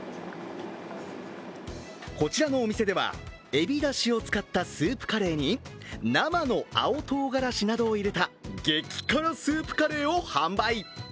こちらのお店では、えびだしを使ったスープカレーに生の青とうがらしなどを入れた激辛スープカレーを販売。